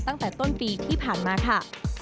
ตั้งแต่ต้นปีที่ผ่านมาค่ะ